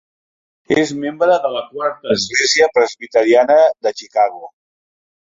És membre de la Quarta església presbiteriana de Chicago.